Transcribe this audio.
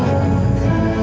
aku kesini mau bicara sama kamu